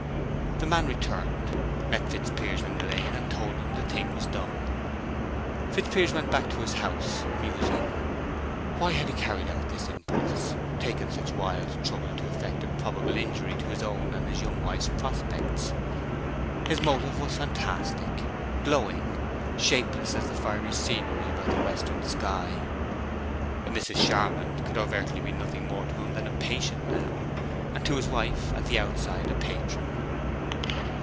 The man returned, met Fitzpiers in the lane, and told him the thing was done. Fitzpiers went back to his house musing. Why had he carried out this impulse—taken such wild trouble to effect a probable injury to his own and his young wife's prospects? His motive was fantastic, glowing, shapeless as the fiery scenery about the western sky. Mrs. Charmond could overtly be nothing more to him than a patient now, and to his wife, at the outside, a patron.